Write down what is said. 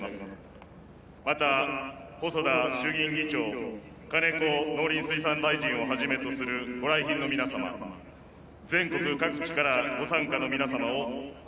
また細田衆議院議長金子農林水産大臣をはじめとするご来賓の皆様全国各地からご参加の皆様を心から歓迎申し上げます。